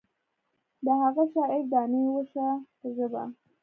د هغه شاعر دانې وشه په ژبه.